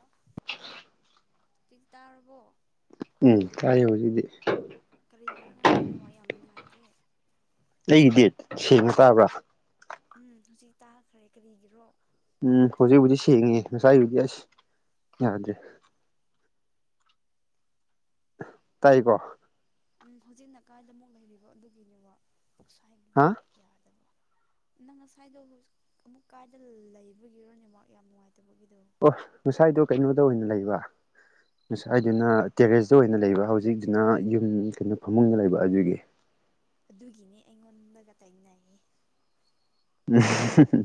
ꯑꯥ ꯇꯤ ꯇꯥꯔꯕꯣ ꯎꯝ ꯇꯥꯏ ꯍꯧꯖꯤꯛꯇꯤ ꯀꯔꯤꯒꯤꯔꯥ ꯉꯁꯥꯏ ꯅꯦꯋꯥꯛ ꯌꯥꯝ ꯅꯨꯡꯉꯥꯏꯇꯦ ꯑꯩꯒꯤꯗꯤ ꯁꯦꯡꯅ ꯇꯥꯕ꯭ꯔꯥ ꯎꯝ ꯍꯧꯖꯤꯛ ꯇꯥꯈ꯭ꯔꯦ ꯀꯔꯤꯒꯤꯔꯣ ꯎꯝ ꯍꯧꯖꯤꯛ ꯍꯧꯖꯤꯛ ꯁꯦꯡꯉꯦ ꯉꯁꯥꯏꯕꯨꯗꯤ ꯑꯁ ꯌꯥꯗ꯭ꯔꯦ ꯇꯥꯏꯕꯣ ꯎꯝ ꯍꯧꯖꯤꯛꯅꯀꯥꯏꯗꯥ ꯑꯃꯨꯛ ꯂꯩꯔꯤꯕ ꯑꯗꯨꯒꯤꯅꯦꯕ ꯑꯁꯋꯥꯏꯒꯤꯗꯤ ꯍꯥ ꯑꯃꯨꯛ ꯌꯥꯗꯕ ꯅꯪ ꯉꯁꯥꯏꯗꯣ ꯍꯧꯖꯤꯛ ꯑꯃꯨꯛ ꯀꯥꯏꯗꯥ ꯂꯩꯕꯒꯤꯔꯣ ꯅꯦꯋꯥꯛ ꯌꯥꯝ ꯅꯨꯡꯉꯥꯏꯇꯕꯒꯤꯗꯣ ꯑꯣ ꯉꯁꯥꯏꯗꯣ ꯀꯩꯅꯣꯗꯥ ꯑꯣꯏꯅ ꯂꯩꯕ ꯉꯁꯥꯏꯗꯨꯅ ꯇꯦꯔꯦꯁꯇꯥ ꯑꯣꯏꯅ ꯂꯩꯕ ꯍꯧꯖꯤꯛꯁꯤꯅ ꯌꯨꯝ ꯀꯩꯅꯣ ꯐꯃꯨꯡꯗꯥ ꯂꯩꯕ ꯑꯗꯨꯒꯤ ꯑꯗꯨꯒꯤꯅꯦ ꯑꯩꯉꯣꯟꯗꯒꯥ ꯇꯥꯏꯅꯩꯌꯦ ꯎꯝ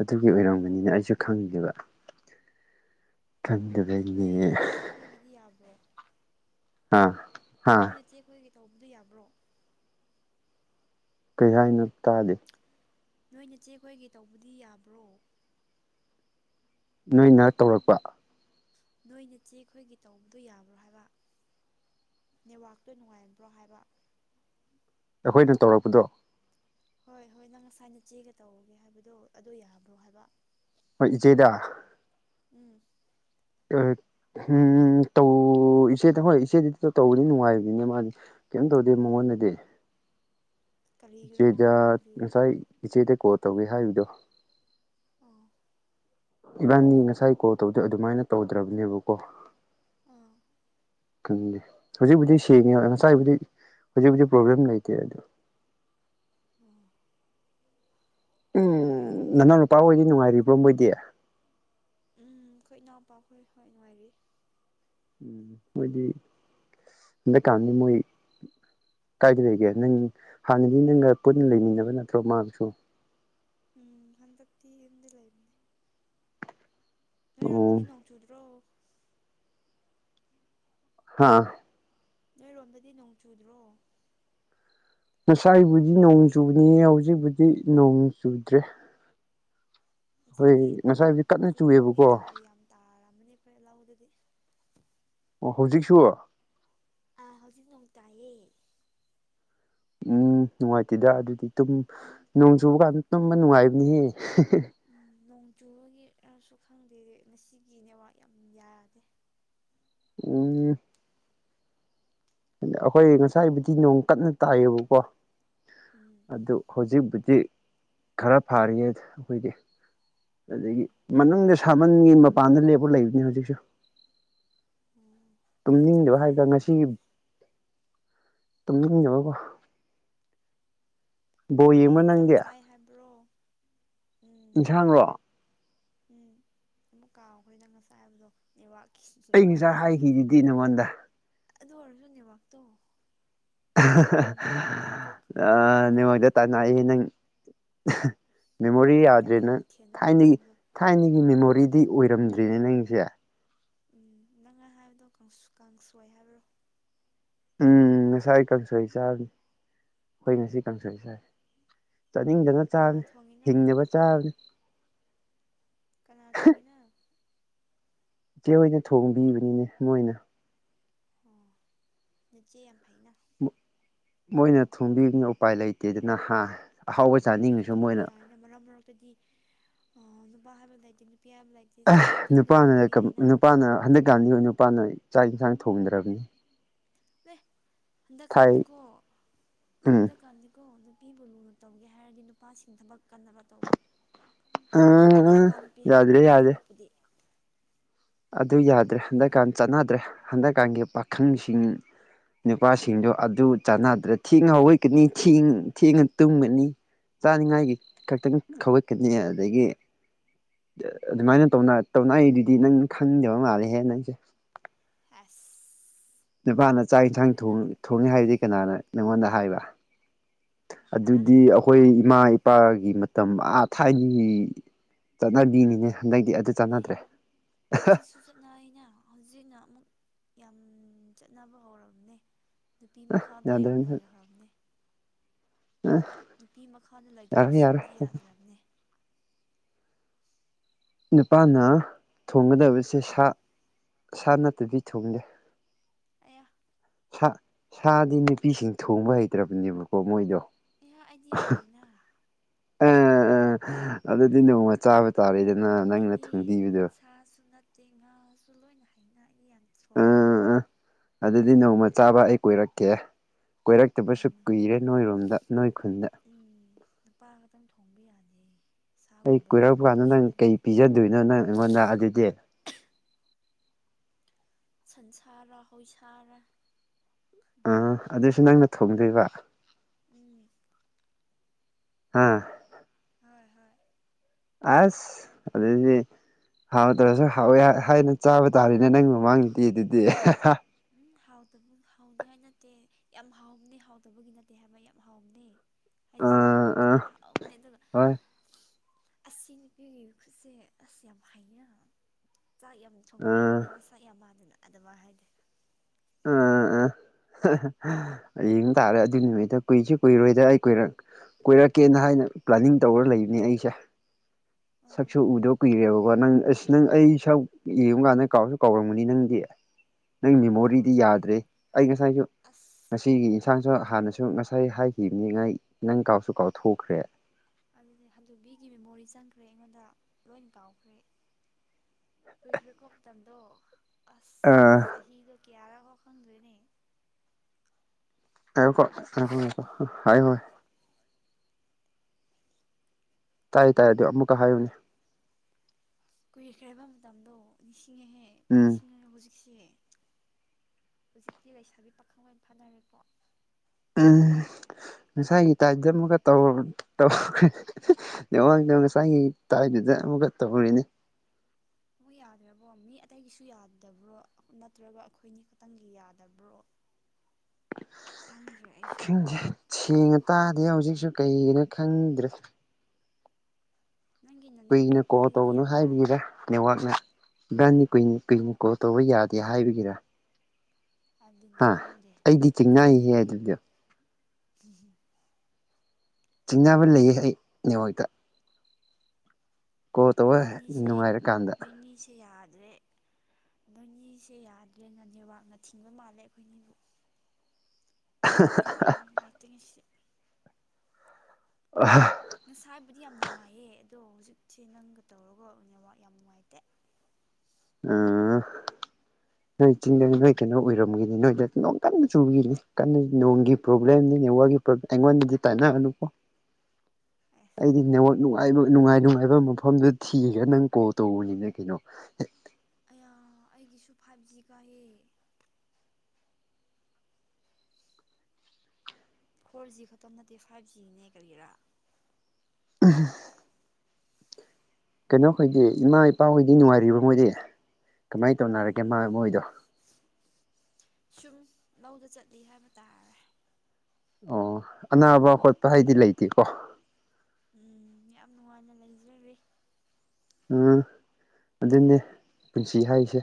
ꯑꯗꯨꯒꯤ ꯑꯣꯏꯔꯝꯒꯥꯅꯤꯅ ꯑꯩꯁꯨ ꯈꯪꯉꯗꯦꯕ [unintelligible] ꯅꯣꯏ ꯅꯥꯆꯦ ꯑꯩꯈꯣꯏꯒꯤꯗꯤ ꯌꯥꯕ꯭ꯔꯣ ꯑꯥ ꯍꯥ ꯏꯆꯦꯈꯣꯏꯒꯤ ꯇꯧꯕꯗꯨ ꯌꯥꯕ꯭ꯔꯣ ꯀꯩ ꯍꯥꯏꯅ ꯇꯥꯗꯦ ꯅꯣꯏꯅ ꯆꯦ ꯈꯈꯣꯏꯒꯤ ꯇꯧꯕꯗꯤ ꯌꯥꯕ꯭ꯔꯣ ꯅꯣꯏꯅ ꯇꯧꯔꯛꯄ ꯅꯣꯏꯅ ꯆꯦ ꯑꯩꯈꯣꯏꯒꯤ ꯇꯧꯕꯗꯣ ꯌꯥꯕ꯭ꯔꯣ ꯍꯥꯏꯕ ꯅꯦꯠꯋꯥꯛꯇꯣ ꯅꯨꯡꯉꯥꯏꯝꯕ꯭ꯔꯣ ꯍꯥꯏꯕ ꯑꯩꯈꯣꯏꯅ ꯇꯧꯔꯛꯄꯗꯣ ꯍꯣꯏ ꯍꯣꯏ ꯅꯪ ꯉꯁꯥꯏꯅ ꯆꯦꯒ ꯇꯧꯒꯦ ꯍꯥꯏꯕꯗꯣ ꯑꯗꯨ ꯌꯥꯕ꯭ꯔꯣ ꯍꯥꯏꯕ ꯍꯣꯏ ꯏꯆꯦꯗ ꯎꯝ ꯑ ꯎꯝ ꯇ ꯑꯣ ꯏꯆꯦꯗ ꯍꯣꯏ ꯏꯆꯦꯗꯗꯤ ꯇꯧꯕꯗꯤ ꯅꯨꯡꯉꯥꯏꯕꯅꯤꯅꯦ ꯃꯥꯗꯤ ꯀꯩꯝ ꯇꯧꯗꯦ ꯃꯉꯣꯟꯗꯗꯤ ꯀꯔꯤꯒꯤꯔ ꯏꯆꯦꯖ ꯈꯪꯕ ꯑꯩꯒꯤꯗꯤ ꯉꯁꯥꯏ ꯏꯆꯦꯗ ꯀꯣꯜ ꯇꯧꯒꯦ ꯍꯥꯏꯕꯗꯣ ꯑꯣ ꯏꯕꯥꯅꯤ ꯉꯁꯥꯏ ꯀꯣꯜ ꯇꯧꯗꯣꯏ ꯑꯗꯨꯃꯥꯏꯅ ꯇꯧꯗ꯭ꯔꯕꯅꯦꯕꯀꯣ ꯑꯥ ꯈꯪꯗꯦ ꯍꯧꯖꯤꯛꯄꯨꯗꯤ ꯁꯦꯡꯉꯤ ꯉꯁꯥꯏꯕꯨꯗꯤ ꯍꯧꯖꯤꯛꯄꯗꯤ ꯄ꯭ꯔꯣꯕ꯭ꯂꯦꯝ ꯂꯩꯇꯦ ꯑꯗꯣ ꯑꯥ ꯎꯝ ꯎ ꯅꯅꯥꯎꯅ ꯅꯨꯄꯥ ꯍꯣꯏꯗꯤ ꯅꯨꯡꯉꯥꯏꯔꯤꯕ꯭ꯔꯣ ꯍꯣꯏꯗꯤ ꯎꯝ ꯑꯩꯣꯏ ꯏꯅꯥꯎꯄꯥꯈꯣꯏ ꯍꯣꯏ ꯅꯨꯡꯉꯥꯏꯔꯤ ꯎꯝ ꯃꯣꯏꯗꯤ ꯍꯟꯗꯛꯀꯥꯟꯗꯤ ꯃꯣꯏ ꯀꯥꯏꯗ ꯂꯩꯒꯦ ꯅꯪ ꯍꯥꯟꯅꯗꯤ ꯅꯪꯒ ꯄꯨꯟꯅ ꯂꯩꯃꯤꯟꯅꯕ ꯅꯠꯇ꯭ꯔꯣ ꯃꯥꯒꯁꯨ ꯎꯝ ꯍꯟꯗꯠꯇꯤ ꯌ ꯂ ꯏꯅꯦ ꯅꯣꯏꯔꯣꯝꯗꯗꯤ ꯑꯣ ꯅꯣꯡ ꯆꯨꯗ꯭ꯔꯣ ꯎꯝ ꯅꯣꯏꯔꯣꯝꯗꯗꯤ ꯅꯣꯡ ꯆꯨꯗ꯭ꯔꯣ ꯉꯁꯥꯏꯕꯨꯗꯤ ꯅꯣꯡ ꯆꯨꯕꯅꯤ ꯍꯧꯖꯤꯛꯕꯨꯗꯤ ꯅꯣꯡ ꯆꯨꯗ꯭ꯔꯦ ꯍꯣꯏ ꯍꯧꯖꯤꯛꯇꯤ ꯅꯣꯡ ꯉꯁꯥꯏꯕꯨꯗꯤ ꯀꯟꯅ ꯆꯨꯕꯒꯤ ꯆꯨꯑꯦꯕꯀꯣ ꯊꯧꯔꯣꯏ ꯌꯥꯝ ꯇꯥꯔꯃꯅꯤ ꯑꯩꯈꯣꯏ ꯂꯥꯎꯗꯗꯤ ꯑꯣ ꯍꯧꯖꯤꯛꯁꯨ ꯑꯥ ꯍꯧꯖꯤꯛ ꯅꯅꯨꯡ ꯇꯥꯏꯌꯦ ꯎꯝ ꯅꯨꯡꯉꯥꯏꯇꯦꯗ ꯑꯗꯨꯗꯤꯨꯝ ꯅꯣꯡ ꯆꯨꯕ ꯀꯥꯟꯗ ꯇꯨꯝꯕ ꯅꯨꯡꯉꯥꯏꯕꯅꯤꯍꯦ ꯎ ꯅꯣꯡ ꯆꯨꯕꯒꯤꯁꯨ ꯈꯪꯗꯦ ꯉꯁꯤꯒꯤꯅꯦꯕ ꯌꯥꯝ ꯌꯥꯗꯦ ꯎꯝ ꯑꯗ ꯑꯩꯈꯣꯏ ꯉꯁꯥꯏꯕꯨꯗꯤ ꯅꯣꯡ ꯀꯟꯅ ꯇꯥꯏꯌꯦꯕꯀꯣ ꯎꯝ ꯑꯗꯨ ꯍꯧꯖꯤꯛꯕꯨꯨꯗꯤ ꯈꯔ ꯐꯔꯤꯌꯦ ꯑꯩꯈꯣꯏꯗꯤ ꯑꯗꯒꯤ ꯑꯣ ꯃꯅꯨꯡꯗ ꯁꯥꯃꯟꯒꯤ ꯃꯄꯥꯟꯗ ꯂꯦꯞꯄ ꯂꯩꯕꯅꯤ ꯍꯧꯖꯤꯛꯁꯨ ꯑꯣ ꯀꯩ ꯌꯦꯟꯁꯥꯡ ꯇꯨꯝꯅꯤꯡꯗꯕ ꯆꯥꯏ ꯍꯥꯏꯗ꯭ꯔ ꯍꯥꯏꯕ ꯉꯁꯤ ꯇꯨꯝꯅꯤꯡ ꯌꯦꯕꯣꯀꯣ ꯕꯣꯜ ꯀꯩ ꯌꯦꯡꯕ꯭ꯔꯥ ꯏꯟꯁꯥꯡ ꯅꯪꯗꯤ ꯆꯥꯏ ꯍꯥꯏꯕ꯭ꯔꯣ ꯎꯝ ꯌꯦꯟꯁꯥꯡꯔꯣ ꯎꯝ ꯑꯃꯨꯛ ꯀꯥꯎꯈ꯭ꯔꯦꯗꯪ ꯉꯁꯥꯏ ꯍꯥꯏꯕꯗꯣ ꯂꯩꯕꯥꯛꯀꯤꯁꯨ ꯑꯩ ꯉꯁꯥꯏ ꯅꯨꯡꯉꯥꯏꯇꯕꯒꯤ ꯍꯥꯏꯈꯤꯗꯨꯗꯤ ꯅꯉꯣꯟꯗ ꯑꯗꯣ ꯑꯣꯔꯖꯨ ꯅꯦꯋꯥꯛꯛꯇꯣ ꯅꯪꯅ ꯀꯣꯛꯀ ꯉꯥꯎꯍꯟꯈ꯭ꯔꯦ ꯇꯅꯥꯑ ꯅꯪ ꯃꯦꯃꯣꯔꯤ ꯀꯩ ꯌꯥꯎꯗ꯭ꯔꯦ ꯀꯩ ꯅꯪ ꯃꯊꯦꯜꯅꯣ ꯅꯪ ꯊꯥꯏꯅꯒꯤ ꯍꯥꯏꯕꯗꯣ ꯊꯥꯏꯅꯒꯤ ꯃꯦꯃꯣꯔꯤꯗꯤ ꯑꯣꯏꯔꯝꯗ꯭ꯔꯤꯅꯦ ꯅꯪꯁꯦ ꯎꯝ ꯅꯪꯅ ꯍꯥꯏꯕꯗꯣ ꯀꯥꯡꯁꯣꯏ ꯍꯥꯏꯕ꯭ꯔꯣ ꯎꯝ ꯉꯁꯥꯏ ꯀꯥꯡꯁꯣꯏ ꯆꯥꯕꯅꯤ ꯑꯩꯈꯣꯏ ꯉꯁꯤ ꯀꯥꯡꯁꯣꯏ ꯆꯥꯔꯤ ꯆꯥꯅꯤꯡꯗꯅ ꯀꯅꯥ ꯆꯥꯔꯅꯤ ꯊꯣꯡꯉꯤꯅꯣ ꯍꯤꯡꯅꯕ ꯆꯥꯔꯅꯤ ꯀꯅꯥ ꯊꯪꯉꯤꯅ ꯏꯆꯦ ꯍꯣꯏꯅ ꯊꯣꯡꯕꯤꯕꯅꯤꯅꯦ ꯃꯣꯏꯅ ꯑꯣ ꯅꯠꯆꯦ ꯌꯥꯝ ꯐꯩꯩꯅ ꯃꯣꯏꯅ ꯊꯣꯝꯕꯤꯕꯅ ꯎꯄꯥꯏ ꯂꯩꯇꯦꯗꯅ ꯍꯥ ꯑꯍꯥꯎꯕ ꯅꯣꯏꯁꯨ ꯆꯥꯅꯤꯡꯉꯁꯨ ꯊꯣꯡꯕ ꯃꯣꯏꯅ ꯌꯥꯏꯅ ꯃꯔꯛ ꯃꯔꯛꯇꯗꯤ ꯅꯨꯄꯥ ꯍꯥꯏꯕ ꯂꯩꯇꯦ ꯅꯨꯄꯤ ꯍꯥꯏꯕ ꯂꯩꯇꯦ ꯆꯥꯛꯇꯤ ꯑꯗꯨꯝ ꯅꯨꯄꯥꯅ ꯊꯣꯡꯕ ꯌꯥꯏꯅ ꯅꯨꯄꯥꯅ ꯍꯟꯗꯛꯀꯥꯟꯗꯤ ꯅꯨꯄꯥꯅ ꯆꯥꯛ ꯏꯟꯁꯥꯡ ꯊꯣꯡꯗ꯭ꯔꯕꯅꯤ ꯑꯦꯦ ꯍꯟꯗ ꯊꯥꯏ ꯀꯥꯟꯗꯤꯀꯣ ꯎꯝ ꯍꯟꯗ ꯀꯥꯟꯗꯤꯀꯣ ꯅꯨꯄꯤꯕꯨ ꯂꯨꯅ ꯇꯧꯒꯦ ꯍꯥꯏꯔꯗꯤ ꯅꯨꯄꯥꯁꯤꯡ ꯊꯕꯛ ꯀꯟꯅꯕ ꯇꯧꯕ ꯑꯥ ꯅꯨꯄꯥ ꯅꯨꯄꯤ ꯍꯥꯏꯕ ꯌꯥꯗ꯭ꯔꯦ ꯂꯩꯇꯦ ꯌꯥꯗ꯭ꯔꯦ ꯊꯕꯛꯄꯨꯗꯤ ꯑꯗꯨ ꯌꯥꯗ꯭ꯔꯦ ꯍꯟꯗꯛꯀꯥꯟ ꯆꯠꯅꯗ꯭ꯔꯦ ꯍꯟꯗꯛꯀꯥꯟꯒꯤ ꯄꯥꯈꯪꯁꯤꯡ ꯅꯨꯄꯥꯁꯤꯡꯗꯣ ꯑꯗꯨ ꯆꯥꯟꯅꯗ꯭ꯔ ꯊꯦꯡꯉ ꯍꯧꯏꯀꯅꯤ ꯊꯦꯡꯉ ꯇꯨꯝꯒꯅꯤ ꯆꯥꯅꯤꯉꯥꯏꯒꯤ ꯈꯛꯇꯪ ꯈꯒꯠꯀꯅꯤ ꯑꯗꯒꯤ ꯑꯗꯨꯃꯥꯏꯅ ꯇ ꯇꯧꯅꯏꯗꯨꯗꯤ ꯅꯪ ꯈꯪꯗꯕ ꯃꯥꯜꯂꯦꯍꯦ ꯅꯪꯁꯦ ꯑꯁ ꯅꯨꯄꯥꯅ ꯆꯥꯛ ꯌꯦꯟꯁꯥꯡ ꯊꯣꯡꯏꯤ ꯍꯥꯏꯕꯗꯤ ꯀꯅꯥꯅ ꯅꯪꯉꯣꯟꯗ ꯍꯥꯏꯕ ꯍꯥ ꯑꯗꯨꯗꯤ ꯑꯩꯈꯣꯏ ꯏꯃꯥ ꯏꯄꯥꯒꯤ ꯃꯇꯝ ꯑꯥ ꯊꯥꯏꯅ ꯆꯠꯅꯕꯤꯅꯤꯅꯦ ꯍꯟꯗꯛꯇꯗꯤ ꯑꯗꯨ ꯍꯦ ꯆꯠꯅꯗ꯭ꯔꯦ ꯍꯧꯖꯤꯛꯁꯨ ꯆꯠꯅꯩꯩꯅ ꯍꯧꯖꯤꯛꯅ ꯑꯃꯨꯛ ꯌꯥꯝ ꯆꯠꯅꯕ ꯍꯧꯔꯕꯝꯅꯦ ꯅꯨꯄꯤ ꯃꯈꯥꯗꯣ ꯌꯥꯗ꯭ꯔꯦ ꯌꯥꯝ ꯂꯩꯈ꯭ꯔꯕꯅꯦ ꯑ ꯅꯨꯄꯤ ꯃꯈꯥꯗ ꯂꯩꯇꯕꯁꯤꯡꯗꯤ ꯌꯥꯗ꯭ꯔꯕꯅꯦ ꯅꯨꯄꯥꯅ ꯊꯣꯡꯒꯗꯕꯁꯦ ꯁꯥ ꯁꯥ ꯅꯠꯇꯗꯤ ꯊꯣꯡꯗꯦ ꯑꯌꯥ ꯁꯥ ꯁꯥꯗꯤ ꯅꯨꯄꯤꯁꯤꯡ ꯊꯣꯡꯕ ꯍꯩꯇ꯭ꯔꯕꯅꯦꯕꯀꯣ ꯃꯣꯏꯗꯣ ꯑꯦꯍ ꯑꯩꯗꯤ ꯌꯥꯝ ꯍꯩꯅ ꯑ ꯑꯗꯨꯗꯤ ꯅꯣꯡꯃ ꯆꯥꯕ ꯇꯥꯔꯦꯗ ꯑꯩꯒꯤ ꯁꯥꯁꯨ ꯅꯠꯇꯦ ꯉꯥꯁꯨ ꯂꯣꯏꯅ ꯍꯩꯅ ꯑꯩꯅ ꯌꯥꯝ ꯁꯣꯡꯉꯦꯅ ꯑꯥ ꯑꯥ ꯑꯗꯨꯗꯤ ꯅꯣꯡꯃ ꯆꯥꯕ ꯑꯩ ꯀꯣꯏꯔꯛꯀꯦ ꯀꯣꯏꯔꯛꯇꯕꯁꯨ ꯑꯗꯨꯅꯦ ꯀꯨꯏꯔꯦ ꯅꯣꯏꯔꯣꯝꯗ ꯅꯣꯏ ꯈꯨꯟꯗ ꯅꯨꯄꯥ ꯈꯛꯇꯪ ꯊꯣꯡꯕ ꯌꯥꯗꯦ ꯑꯩ ꯁꯥꯒꯨꯝꯕꯗꯤ ꯀꯨꯏꯔꯛꯄ ꯀꯥꯟꯗ ꯅꯨꯄꯤꯁꯨ ꯅꯪ ꯀꯩ ꯍꯩꯕꯅꯦ ꯄꯤꯖꯗꯣꯏꯅꯣ ꯅꯪ ꯑꯩꯉꯣꯟꯗ ꯑꯗꯨꯗꯤ ꯁꯟꯁꯥꯔ ꯍꯣꯏ ꯁꯥꯔꯥ ꯑꯥ ꯑꯗꯨꯏꯁꯨ ꯅꯪꯅ ꯊꯣꯡꯗꯣꯏꯕ ꯎꯝ ꯍꯥꯥ ꯍꯣꯏ ꯍꯣꯏ ꯑꯁ ꯑꯗꯨꯗꯗꯤ ꯍꯥꯎꯗ꯭ꯔꯁꯨ ꯍꯥꯎꯋꯦ ꯍꯥꯏꯅ ꯆꯥꯕ ꯇꯥꯔꯤꯅꯦ ꯅꯪꯒꯤ ꯃꯃꯥꯡꯗꯗꯤ ꯑꯗꯨꯗꯤ ꯎꯝ ꯍꯥꯎꯗꯕ ꯍꯥꯎꯅꯤꯡꯉꯥꯏ ꯅꯠꯇꯦ ꯌꯥꯝ ꯍꯥꯎꯅꯤ ꯍꯥꯎꯗꯕꯒꯤ ꯅꯠꯇꯦ ꯍꯥꯏꯕ ꯌꯥꯝ ꯍꯥꯎꯅꯤ ꯍꯩꯖꯤꯟꯕ ꯑꯥ ꯅꯠꯇꯦ ꯑꯥ ꯍꯥꯎꯅꯦ ꯑꯗꯨꯒ ꯍꯣꯏ ꯑꯁꯤꯁꯤꯅꯄꯤ ꯈꯨꯁꯦ ꯑꯁꯤꯁꯤ ꯌꯥꯝ ꯍꯥꯏꯩ ꯆꯥꯛ ꯌꯥꯝ ꯊꯣꯡꯕ ꯑꯥ ꯍꯩꯅ ꯃꯁꯥꯛ ꯌꯥꯝ ꯃꯥꯥꯟꯗꯅ ꯑꯗꯨꯃꯥꯏꯅ ꯍꯥꯏꯗꯤ ꯎꯝ ꯎ ꯍꯌꯦꯡ ꯇꯥꯔꯦ ꯑꯗꯨꯏ ꯅꯨꯃꯤꯠꯇ ꯀꯨꯏꯁꯤ ꯀꯨꯏꯔꯣꯏꯗ ꯑꯩ ꯀꯨꯏꯔꯛ ꯀꯣꯏꯔꯛꯀꯦꯅ ꯍꯥꯏꯅ ꯄ꯭ꯂꯥꯅꯤꯡ ꯇꯧꯔ ꯂꯩꯕꯅꯤ ꯑꯩꯁꯦ ꯑꯥ ꯁꯛꯁꯨ ꯎꯗꯧ ꯀꯨꯏꯔꯦꯕꯀꯣ ꯅꯪ ꯑꯁ ꯅꯪ ꯑꯩ ꯁꯛ ꯌꯦꯡꯨꯕ ꯀꯥꯟꯗ ꯀꯥꯎꯁꯨ ꯀꯥꯎꯔꯝꯃꯅꯤ ꯅꯪꯗꯤ [unintelligible] ꯎꯝ ꯇꯥꯎ ꯃꯦꯃꯣꯔꯤꯗꯤ ꯌꯥꯗ꯭ꯔꯦ ꯑꯩ ꯉꯁꯥꯏꯁꯨ ꯉꯁꯤꯒꯤ ꯌꯦꯟꯁꯥꯡꯁꯨ ꯌꯥꯗ꯭ꯔꯦꯗ ꯍꯥꯟꯅꯁꯨ ꯉꯁꯥꯏ ꯍꯥꯏꯈꯤꯕꯅꯤ ꯉꯥꯏ ꯅꯪ ꯀꯥꯎꯁꯨ ꯀꯥꯎꯊꯣꯛꯈ꯭ꯔꯦ ꯑꯗꯨꯗꯤ ꯍꯝꯖꯕꯤꯒꯤ ꯃꯦꯃꯣꯔꯤ ꯆꯪꯈ꯭ꯔꯦ ꯑꯩꯉꯣꯟꯗ ꯂꯣꯏꯅ ꯀꯥꯎꯈ꯭ꯔꯦ ꯀꯨꯏꯈ꯭ꯔꯦꯀꯣ ꯃꯇꯝꯗꯣ ꯑꯁ ꯑꯥ ꯆꯍꯤꯗꯣ ꯀꯌꯥꯔꯥꯒꯥꯎ ꯈꯪꯗ꯭ꯔꯣꯏꯅꯦ ꯑ ꯀꯣ ꯍꯣꯏꯣ ꯍꯥꯏ ꯍꯣꯏ ꯇꯥꯏꯌꯦ ꯇꯥꯏ ꯑꯗꯨ ꯑꯃꯨꯛꯀ ꯍꯥꯏꯌꯨꯅꯦ ꯀꯨꯏꯈ꯭ꯔꯦꯕ ꯃꯇꯝꯗꯣ ꯅꯤꯡꯁꯤꯡꯉꯦꯍꯦ ꯎꯝ ꯅꯤꯡꯁꯤꯡꯉꯥꯒ ꯍꯧꯖꯤꯛꯁꯦ ꯍꯧꯖꯤꯛꯇꯤ ꯂꯩꯁꯥꯕꯤ ꯄꯥꯈꯪ ꯂꯣꯏ ꯐꯥꯅꯔꯦꯀꯣ ꯎꯝ ꯉꯁꯥꯏꯒꯤ ꯇꯥꯏꯞꯇ ꯑꯃꯒ ꯇꯔ ꯇꯧꯈ꯭ꯔꯦ ꯅꯦꯠꯌꯥꯛꯇꯣ ꯉꯁꯥꯏꯒꯤ ꯇꯥꯏꯗꯨꯗ ꯑꯃꯨꯛꯀ ꯇꯧꯔꯤꯅꯦ ꯑꯃꯨꯛ ꯌꯥꯗ꯭ꯔꯕꯣ ꯃꯤ ꯑꯇꯩꯒꯤꯁꯨ ꯌꯥꯗꯕ꯭ꯔꯣ ꯅꯠꯇ꯭ꯔꯒ ꯑꯩꯈꯣꯏꯅꯤ ꯈꯛꯇꯪꯒꯤ ꯌꯥꯗꯕ꯭ꯔꯣ [inaudible] ꯈꯪꯗ꯭ꯔꯦ ꯑꯩꯁꯨ ꯈꯪꯗꯦ ꯁꯦꯡꯅ ꯇꯥꯗꯦ ꯍꯧꯖꯤꯛꯁꯨ ꯀꯩꯒꯤꯅꯣ ꯈꯪꯗ꯭ꯔꯦ ꯅꯪꯒꯤꯅꯅꯦ ꯀꯨꯏꯅ ꯀꯣꯜ ꯑꯩꯒꯤꯗꯤ ꯇꯧꯒꯅꯨ ꯌꯥꯝ ꯇꯥꯏ ꯍꯥꯏꯕꯤꯔ ꯅꯦꯠꯋꯥꯛꯁꯦ ꯏꯕꯥꯅꯤ ꯀꯨꯏ ꯀꯨꯏꯅ ꯀꯣꯜ ꯇꯧꯕ ꯌꯥꯗꯦ ꯍꯥꯏꯕꯒꯤꯔ ꯑꯗꯨꯅꯦ ꯍꯥ ꯈꯪꯗꯦ ꯑꯩꯗꯤ ꯆꯤꯡꯅꯩꯍꯦ ꯈꯪꯗꯦꯅꯦ ꯑꯗꯨꯗꯤ [unintelligible] ꯆꯤꯡꯅꯕ ꯂꯩꯌꯦ ꯑꯩ ꯅꯦꯋꯣꯛꯇ ꯇꯧꯕ ꯅꯣꯏꯅꯤꯁꯦ ꯅꯨꯡꯉꯥꯏꯔꯀꯥꯟꯗ ꯅꯣꯏꯅꯤꯁꯦ ꯌꯥꯗ꯭ꯔꯦ ꯅꯣꯏꯅꯤꯁꯦ ꯌꯥꯗ꯭ꯔꯦꯅ ꯅꯦꯠꯋꯥꯛꯅ ꯊꯤꯡꯕ ꯃꯥꯜꯂꯦ ꯑꯩꯈꯣꯏꯅꯤꯕꯨ ꯅꯦꯠꯋꯥꯛ ꯌꯥꯝ ꯅꯨꯡꯉꯥꯏꯇꯦ ꯉꯁꯤ [unintelligible] ꯉꯁꯥꯏꯕꯨꯗꯤ ꯌꯥꯝ ꯅꯨꯡꯉꯥꯏꯌꯦ ꯑꯗꯣ ꯍꯧꯖꯤꯛꯁꯦ ꯅꯪꯒ ꯇꯧꯔꯒ ꯅꯦꯋꯥꯛ ꯌꯥꯝ ꯅꯨꯡꯉꯥꯏꯇꯦ ꯎꯝ ꯅꯣꯏ ꯆꯤꯡꯗ ꯅꯣꯏ ꯀꯩꯅꯣ ꯑꯣꯏꯔꯝꯒꯤꯅꯤ ꯅꯣꯏꯗ ꯅꯣꯡ ꯀꯟꯅ ꯆꯨꯒꯤꯝꯅꯤ ꯀꯟꯅ ꯅꯣꯡꯒꯤ ꯄ꯭ꯔꯣꯕ꯭ꯂꯦꯝꯅꯤ ꯅꯦꯠꯋꯥꯛ ꯑꯩꯉꯣꯟꯗꯗꯤ ꯇꯥꯏꯅꯒꯅꯨꯀꯣ ꯑꯦ ꯑꯩꯗꯤ ꯅꯦꯠꯋꯥꯛ ꯅꯨꯡꯉꯥꯕ ꯅꯨꯡꯉꯥꯏ ꯅꯨꯡꯉꯥꯏꯕ ꯃꯐꯝꯗ ꯊꯤꯔꯒ ꯅꯪ ꯀꯣꯜ ꯇꯧꯕꯅꯤꯅꯦ ꯀꯩꯅꯣ ꯑꯩꯌꯥ ꯑꯩꯒꯤꯁꯨ ꯐꯥꯏꯚ ꯖꯤ ꯀꯥꯏꯌꯦ ꯐꯣꯔ ꯖꯤ ꯈꯛꯇꯝ ꯅꯠꯇꯦ ꯐꯥꯏꯚ ꯖꯤꯅꯦ ꯀꯔꯤꯔꯥ [unintelligible] ꯀꯩꯅꯣꯈꯣꯏꯗꯤ ꯏꯃꯥ ꯏꯄꯥꯍꯣꯏꯗꯤ ꯅꯨꯡꯉꯥꯏꯔꯤꯕ ꯃꯣꯏꯗꯤ ꯀꯃꯥꯏ ꯇꯧꯅꯔꯒꯦ ꯎꯝ ꯃꯥ ꯃꯣꯏꯗꯣ ꯁꯨꯝ ꯂꯧꯗ ꯆꯠꯂꯤ ꯍꯥꯏꯕ ꯇꯥꯔꯦ ꯑꯣ ꯑꯅꯥꯕ ꯈꯣꯠꯄ ꯍꯥꯏꯗꯤ ꯂꯩꯇꯦꯀꯣ ꯎꯝ ꯌꯥꯝ ꯅꯨꯡꯉꯥꯏꯅ ꯂꯩꯖꯔꯤ ꯎꯝ ꯑꯗꯨꯅꯦ ꯄꯨꯟꯁꯤ ꯍꯥꯏꯁꯦ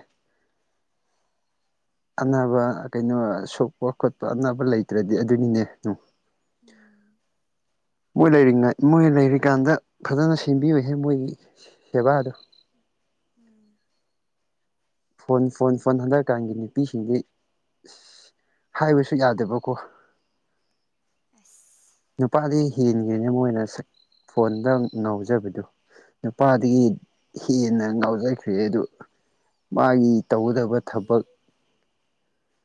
ꯑꯅꯥꯕ ꯀꯩꯅꯣ ꯁꯣꯛꯄ ꯈꯣꯠꯄ ꯑꯅꯥꯕ ꯂꯩꯇ꯭ꯔꯗꯤ ꯑꯗꯨꯅꯤꯅꯦ ꯎꯝ ꯃꯣꯏ ꯂꯩꯔꯤꯉꯥꯏ ꯃꯣꯏ ꯂꯩꯔꯤꯀꯥꯟꯗ ꯐꯖꯅ ꯁꯦꯝꯕꯤꯌꯣꯏꯍꯦ ꯃꯣꯏꯒꯤ ꯁꯦꯕꯥꯗꯣ ꯎꯝ ꯐꯣꯟ ꯐꯣꯟ ꯐꯣꯟ ꯍꯟꯗꯛꯀꯥꯟꯒꯤ ꯅꯨꯄꯤꯁꯤꯡꯗꯤ ꯑꯁ ꯍꯥꯏꯕꯁꯨ ꯌꯥꯗꯦꯕꯀꯣ ꯑꯁ ꯅꯨꯄꯥꯗꯤ ꯍꯦꯟꯒꯦꯅꯦ ꯃꯣꯏꯅ ꯐꯣꯟꯗ ꯉꯥꯎꯖꯕꯗꯨ ꯅꯨꯄꯥꯗꯒꯤ ꯍꯦꯟꯅ ꯉꯥꯎꯖꯈ꯭ꯔꯦ ꯑꯗꯨ ꯃꯥꯒꯤ ꯇꯧꯒꯗꯕ ꯑꯗꯨꯕꯨꯗꯤ ꯊꯕꯛ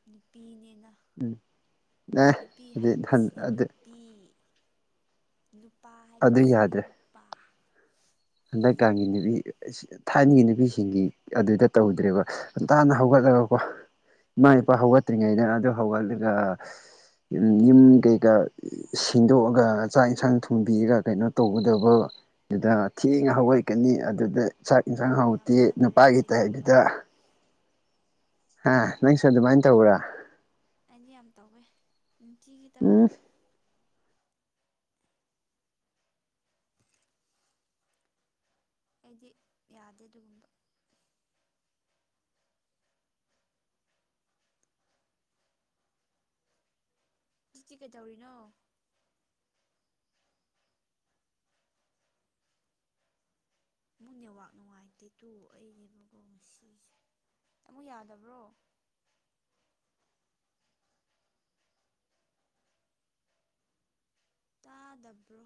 ꯅꯨꯄꯤꯅꯦꯅ ꯑꯦ ꯅꯨꯄꯤ ꯍꯥꯏꯕꯁꯤꯗꯤ ꯅꯨ ꯑꯗꯨ ꯄꯤ ꯅꯨꯄꯥ ꯑꯗꯨ ꯍꯥꯏꯕꯁꯤꯗꯤ ꯅꯨꯄꯥ ꯍꯟꯗꯛꯀꯟꯒꯤ ꯅꯨꯄꯤ ꯊꯥꯏꯅꯒꯤ ꯅꯨꯄꯤꯁꯤꯡꯒꯤ ꯑꯗꯨꯗ ꯇꯧꯗ꯭ꯔꯦꯕ ꯉꯟꯇꯥꯅ ꯍꯧꯒꯠꯂꯒꯀꯣ ꯏꯃꯥ ꯏꯄꯥ ꯎꯝ ꯍꯧꯒꯠꯇ꯭ꯔꯤꯉꯩꯗ ꯑꯗꯨ ꯍꯧꯒꯠꯂꯒ ꯌꯨꯝ ꯀꯩꯀꯥ ꯁꯤꯟꯗꯣꯛꯑꯒ ꯆꯥꯛ ꯏꯟꯁꯥꯡ ꯊꯣꯡꯕꯤꯔꯒ ꯀꯩꯅꯣ ꯇꯧꯒꯗꯕꯗꯨꯗ ꯊꯦꯡꯉꯥ ꯍꯧꯒꯠꯀꯅꯤ ꯑꯗꯨꯗ ꯆꯥꯛ ꯏꯟꯁꯥꯡ ꯍꯥꯎꯇꯦ ꯉꯝꯖꯗ꯭ꯔꯦ ꯅꯨꯄꯥꯒꯤ ꯑꯩꯗꯤ ꯑꯗꯨꯒꯨꯝꯕ ꯇꯥꯏꯗꯨꯗ ꯍꯥ ꯅꯪꯁꯨ ꯑꯗꯨꯃꯥꯏꯅ ꯇꯧꯕ꯭ꯔꯥ ꯑꯩꯗꯤ ꯌꯥꯝ ꯇꯧꯋꯦ ꯅꯨꯡꯇꯤꯒꯤ ꯇꯧꯋꯦ ꯎꯝ ꯑꯩꯗꯤ ꯌꯥꯗꯦ ꯑꯗꯨꯒꯨꯝꯕ ꯖꯤꯛꯇꯤ ꯀꯩꯗꯧꯔꯤꯅꯣ ꯃꯨꯛ ꯅꯦꯋꯥꯛ ꯅꯨꯡꯉꯥꯏꯇꯦ ꯇꯨ ꯑꯩꯅꯦꯕꯀꯣ ꯉꯁꯤꯁꯦ ꯑꯃꯥꯃꯨꯛ ꯌꯥꯗꯕ꯭ꯔꯣ ꯇꯥꯗꯕ꯭ꯔꯣ